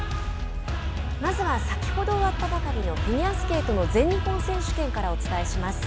まずは先ほど終わったばかりのフィギュアスケートの全日本選手権からお伝えします。